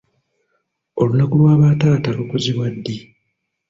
Olunaku lwa bataata lukuzibwa ddi?